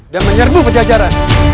dan menyerbu pecah acara